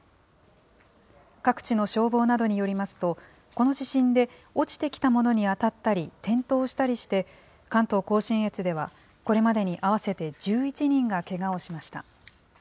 各地の消防などによりますと、この地震で落ちてきたものに当たったり、転倒したりして、関東甲信越ではこれまでに合わせて１１人がけがをしました。